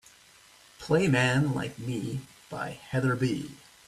Play Man Like Me by heather b.